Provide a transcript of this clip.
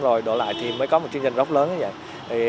rồi đổ lại thì mới có một chương trình rock lớn như vậy